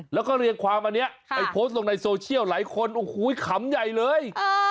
แล้วก็เรียงความอันนี้ไปโพสต์ลงในโซเชียลหลายคนโอ้โหขำใหญ่เลย